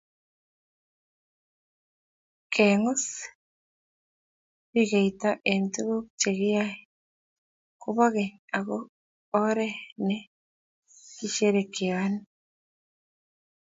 Kengus rikeito eng tukuk che kiyoe ko bo keny ako oree ne kisherekeonik.